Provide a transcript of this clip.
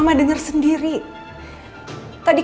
mama denger sendir replies itu sendiri